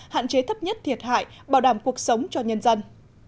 hạn chế thấp nhất thiệt hại bảo đảm cuộc sống cho nhân dân